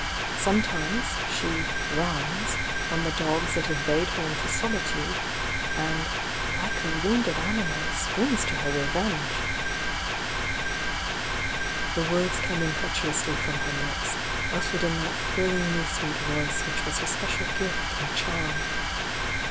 — sometimes she 'rounds' on the dogs that have bayed her into soli tude, and, like a wounded animal, springs to her re venge!" The words came impetuously from her lips, ut tered in that thrillingly sweet voice which was her special gift and charm.